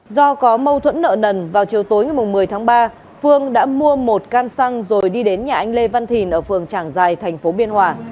do có mâu thuẫn nợ nần vào chiều tối ngày một mươi tháng ba phương đã mua một can xăng rồi đi đến nhà anh lê văn thìn ở phường trảng giài thành phố biên hòa